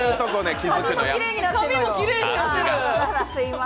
髪もきれいになってる。